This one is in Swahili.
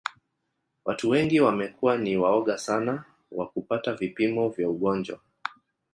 Watu wengi wamekuwa ni waoga sana wa kupata vipimo vya ugonjwa